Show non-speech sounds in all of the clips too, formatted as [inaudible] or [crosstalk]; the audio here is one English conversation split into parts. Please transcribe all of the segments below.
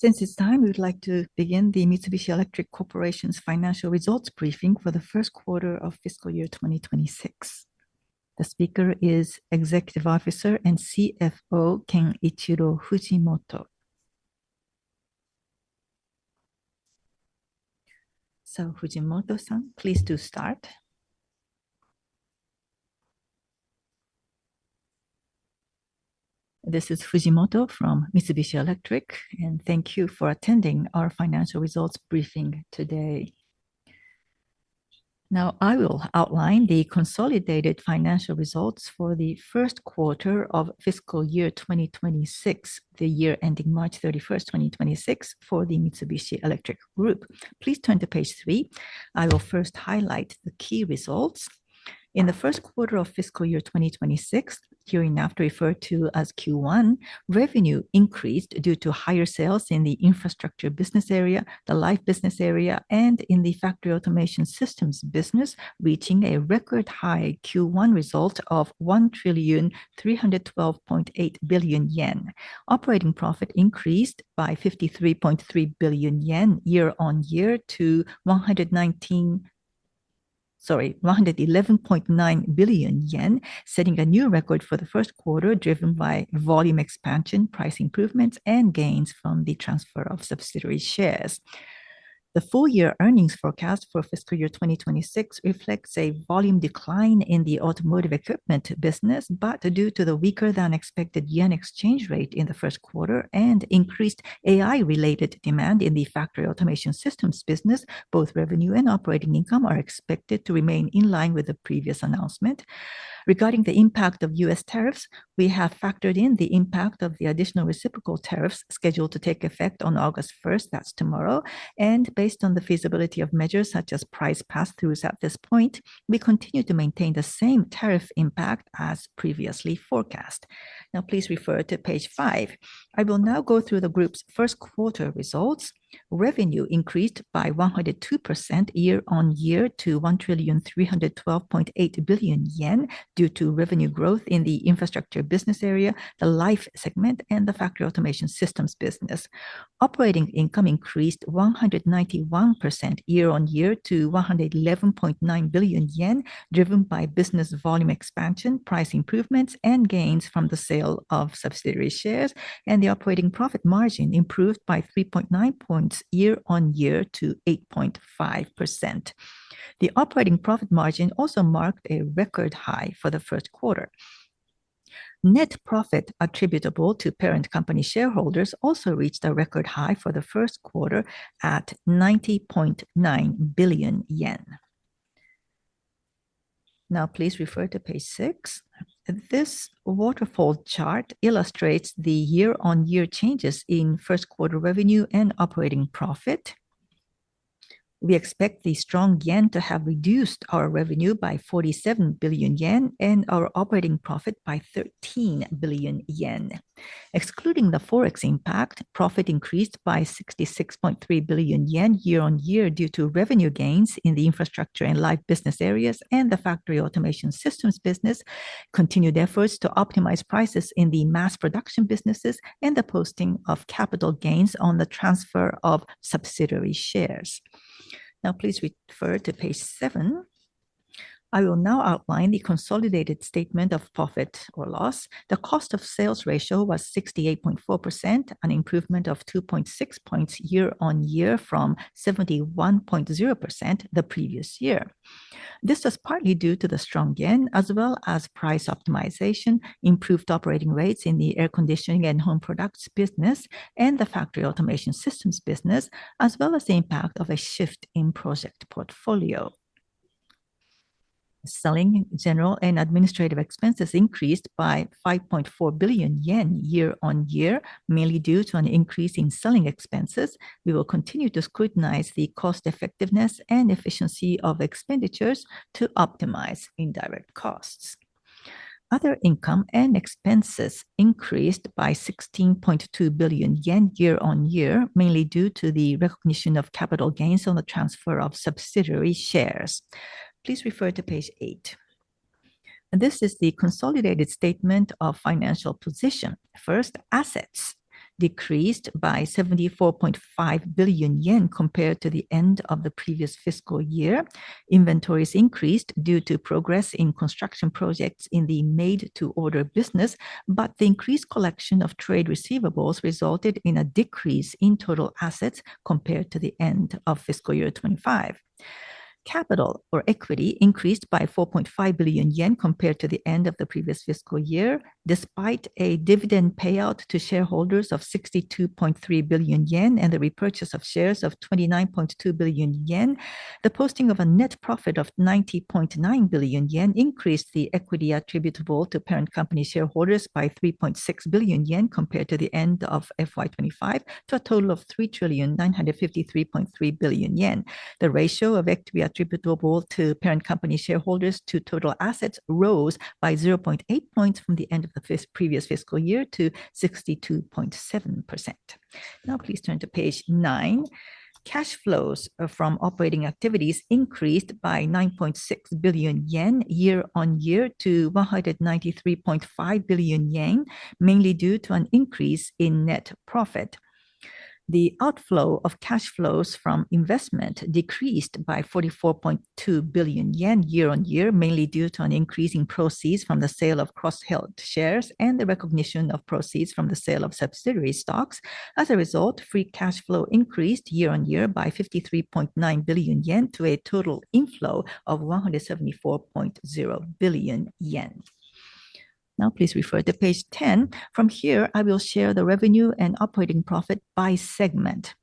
Since it's time, we would like to begin the Mitsubishi Electric Corporation's Financial Results briefing for the first quarter of fiscal year 2026. The speaker is Executive Officer and CFO Kenichiro Fujimoto. Fujimoto-san, please do start. This is Fujimoto from Mitsubishi Electric, and thank you for attending our financial results briefing today. Now, I will outline the consolidated financial results for the first quarter of fiscal year 2026, the year ending March 31st, 2026, for the Mitsubishi Electric Group. Please turn to page three. I will first highlight the key results. In the first quarter of fiscal year 2026, [audio distortion] to as Q1, revenue increased due to higher sales in the Infrastructure Business Area, the Life Business Area, and in the Factory Automation Systems Business, reaching a record high Q1 result of 1,312.8 billion yen. Operating profit increased by 53.3 billion yen year-on-year to 111.9 billion, setting a new record for the first quarter driven by volume expansion, price improvements, and gains from the transfer of subsidiary shares. The full-year earnings forecast for fiscal year 2026 reflects a volume decline in the automotive equipment business, but due to the weaker than expected yen exchange rate in the first quarter and increased AI-related demand in the Factory Automation Systems Business, both revenue and operating income are expected to remain in line with the previous announcement. Regarding the impact of U.S. tariffs, we have factored in the impact of the additional reciprocal tariffs scheduled to take effect on August 1st, that's tomorrow, and based on the feasibility of measures such as price pass-throughs at this point, we continue to maintain the same tariff impact as previously forecast. Now, please refer to page five. I will now go through the group's first quarter results. Revenue increased by 102% year-on-year to 1,312.8 billion yen due to revenue growth in the Infrastructure Business Area, the life segment, and the Factory Automation Systems Business. Operating income increased 191% year-on-year to 111.9 billion yen, driven by business volume expansion, price improvements, and gains from the sale of subsidiary shares, and the operating profit margin improved by 3.9 points year-on-year to 8.5%. The operating profit margin also marked a record high for the first quarter. Net profit attributable to parent company shareholders also reached a record high for the first quarter at 90.9 billion yen. Now, please refer to page six. This waterfall chart illustrates the year-on-year changes in first quarter revenue and operating profit. We expect the strong yen to have reduced our revenue by 47 billion yen and our operating profit by 13 billion yen. Excluding the Forex impact, profit increased by 66.3 billion yen year-on-year due to revenue gains in the Infrastructure and Life Business Areas and the Factory Automation Systems Business, continued efforts to optimize prices in the mass production businesses, and the posting of capital gains on the transfer of subsidiary shares. Now, please refer to page seven. I will now outline the consolidated statement of profit or loss. The cost of sales ratio was 68.4%, an improvement of 2.6 points year-on-year from 71.0% the previous year. This was partly due to the strong yen, as well as price optimization, improved operating rates in the air-conditioning and home products business, and the Factory Automation Systems Business, as well as the impact of a shift in project portfolio. Selling, general, and administrative expenses increased by 5.4 billion yen year-on-year, mainly due to an increase in selling expenses. We will continue to scrutinize the cost-effectiveness and efficiency of expenditures to optimize indirect costs. Other income and expenses increased by 16.2 billion yen year-on-year, mainly due to the recognition of capital gains on the transfer of subsidiary shares. Please refer to page eight. This is the consolidated statement of financial position. First, assets decreased by 74.5 billion yen compared to the end of the previous fiscal year. Inventories increased due to progress in construction projects in the made-to-order business, but the increased collection of trade receivables resulted in a decrease in total assets compared to the end of fiscal year 2025. Capital or equity increased by 4.5 billion yen compared to the end of the previous fiscal year. Despite a dividend payout to shareholders of 62.3 billion yen and the repurchase of shares of 29.2 billion yen, the posting of a net profit of 90.9 billion yen increased the equity attributable to parent company shareholders by 3.6 billion yen compared to the end of FY2025 to a total of 3,953.3 billion yen. The ratio of equity attributable to parent company shareholders to total assets rose by 0.8 points from the end of the previous fiscal year to 62.7%. Now, please turn to page nine. Cash flows from operating activities increased by 9.6 billion yen year-on-year to 193.5 billion yen, mainly due to an increase in net profit. The outflow of cash flows from investment decreased by 44.2 billion yen year-on-year, mainly due to an increase in proceeds from the sale of cross-held shares and the recognition of proceeds from the sale of subsidiary stocks. As a result, free cash flow increased year-on-year by 53.9 billion yen to a total inflow of 174.0 billion yen. Now, please refer to page ten. From here, I will share the revenue and operating profit by segment.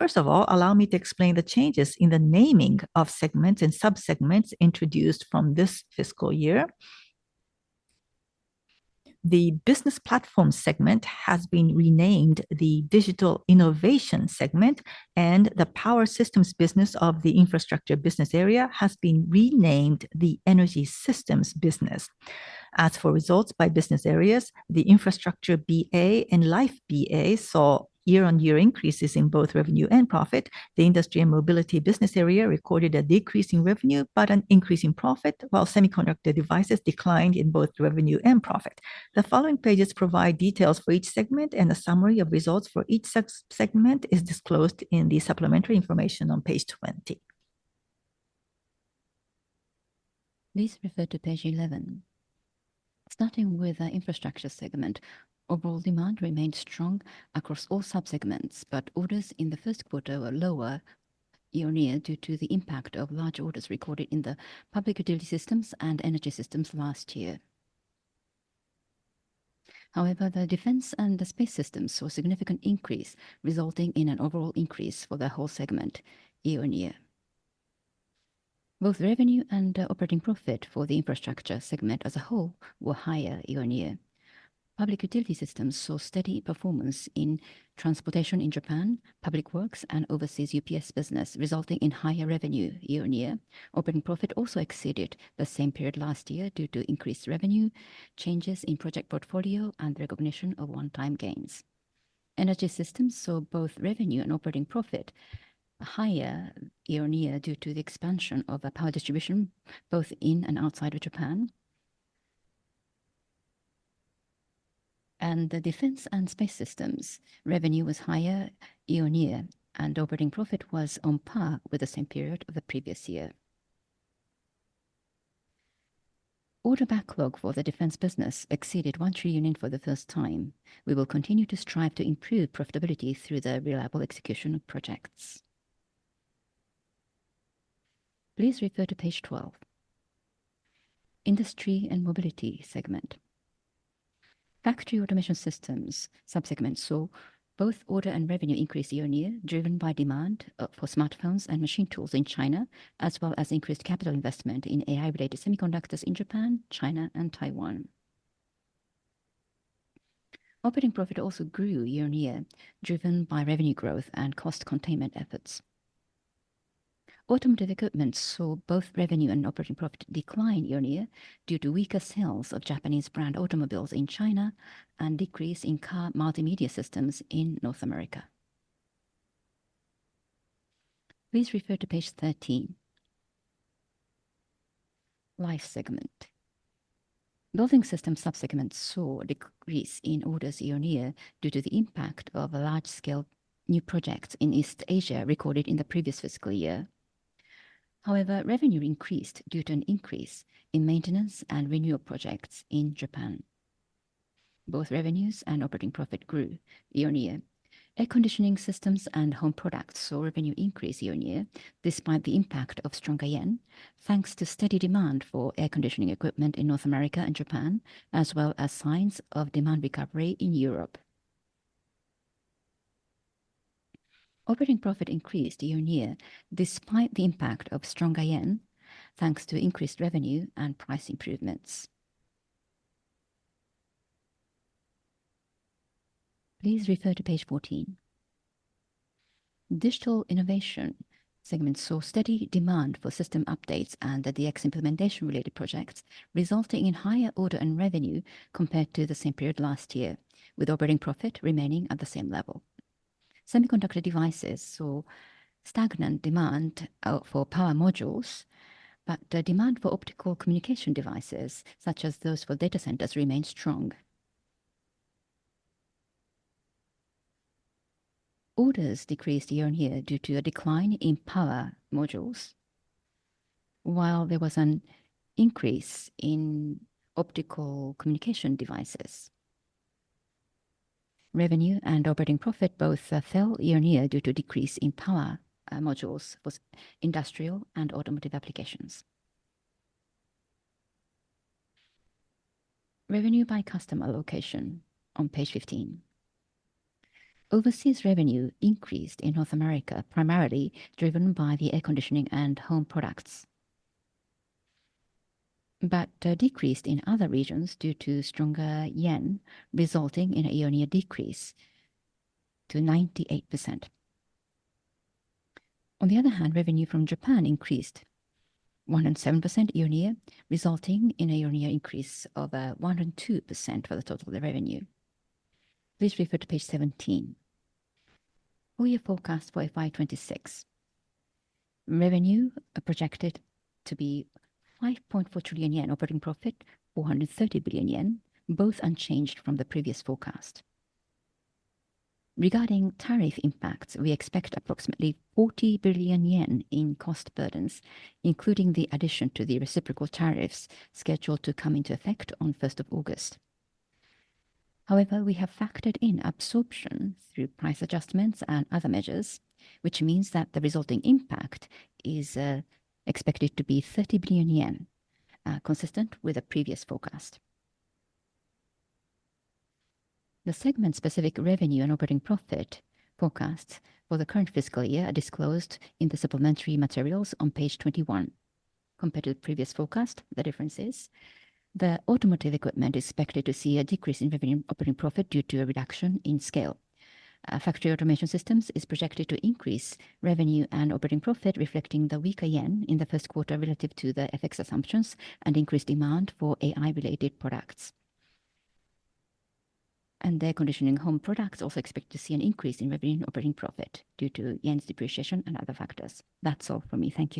First of all, allow me to explain the changes in the naming of segments and subsegments introduced from this fiscal year. The Business Platform segment has been renamed the Digital Innovation segment, and the power systems business of the Infrastructure Business Area has been renamed the Energy Systems Business. As for results by business areas, the Infrastructure BA and Life BA saw year-on-year increases in both revenue and profit. The Industry & Mobility Business Area recorded a decrease in revenue but an increase in profit, while semiconductor devices declined in both revenue and profit. The following pages provide details for each segment, and a summary of results for each subsegment is disclosed in the supplementary information on page 20. Please refer to page 11. Starting with the infrastructure segment, overall demand remained strong across all subsegments, but orders in the first quarter were lower year-on-year due to the impact of large orders recorded in the public utility systems and energy systems last year. However, the defense and the space systems saw a significant increase, resulting in an overall increase for the whole segment year-on-year. Both revenue and operating profit for the infrastructure segment as a whole were higher year-on-year. Public utility systems saw steady performance in transportation in Japan, public works, and overseas UPS business, resulting in higher revenue year-on-year. Operating profit also exceeded the same period last year due to increased revenue, changes in project portfolio, and the recognition of one-time gains. Energy systems saw both revenue and operating profit higher year-on-year due to the expansion of power distribution both in and outside of Japan. The defense and space systems revenue was higher year-on-year, and operating profit was on par with the same period of the previous year. Order backlog for the defense business exceeded 1 trillion for the first time. We will continue to strive to improve profitability through the reliable execution of projects. Please refer to page 12. Industry and mobility segment. Factory Automation systems subsegments saw both order and revenue increase year-on-year, driven by demand for smartphones and machine tools in China, as well as increased capital investment in AI-related semiconductors in Japan, China, and Taiwan. Operating profit also grew year-on-year, driven by revenue growth and cost containment efforts. Automotive equipment saw both revenue and operating profit decline year-on-year due to weaker sales of Japanese brand automobiles in China and a decrease in car multimedia systems in North America. Please refer to page 13. Life segment. Building systems subsegments saw a decrease in orders year-on-year due to the impact of large-scale new projects in East Asia recorded in the previous fiscal year. However, revenue increased due to an increase in maintenance and renewal projects in Japan. Both revenue and operating profit grew year-on-year. Air-conditioning systems and home products saw revenue increase year-on-year despite the impact of stronger yen, thanks to steady demand for air-conditioning equipment in North America and Japan, as well as signs of demand recovery in Europe. Operating profit increased year-on-year despite the impact of stronger yen, thanks to increased revenue and price improvements. Please refer to page 14. Digital Innovation segment saw steady demand for system updates and the DX implementation-related projects, resulting in higher order and revenue compared to the same period last year, with operating profit remaining at the same level. Semiconductor devices saw stagnant demand for power modules, but the demand for optical communication devices, such as those for data centers, remained strong. Orders decreased year-on-year due to a decline in power modules, while there was an increase in optical communication devices. Revenue and operating profit both fell year-on-year due to a decrease in power modules for industrial and automotive applications. Revenue by customer location on page 15. Overseas revenue increased in North America, primarily driven by the air-conditioning and home products, but decreased in other regions due to stronger yen, resulting in a year-on-year decrease to 98%. On the other hand, revenue from Japan increased 107% year-on-year, resulting in a year-on-year increase of 102% for the total revenue. Please refer to page 17. Four-year forecast for FY2026. Revenue projected to be 5.4 trillion yen, operating profit 430 billion yen, both unchanged from the previous forecast. Regarding tariff impacts, we expect approximately 40 billion yen in cost burdens, including the addition to the reciprocal tariffs scheduled to come into effect on 1st of August. However, we have factored in absorption through price adjustments and other measures, which means that the resulting impact is expected to be 30 billion yen, consistent with the previous forecast. The segment-specific revenue and operating profit forecasts for the current fiscal year are disclosed in the supplementary materials on page 21. Compared to the previous forecast, the difference is the automotive equipment is expected to see a decrease in revenue and operating profit due to a reduction in scale. Factory Automation systems is projected to increase revenue and operating profit, reflecting the weaker yen in the first quarter relative to the FX assumptions and increased demand for AI-related products. The air-conditioning and home products are also expected to see an increase in revenue and operating profit due to yen's depreciation and other factors. That's all from me. Thank you.